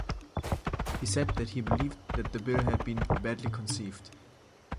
He said that he believed that the Bill had been 'badly conceived'.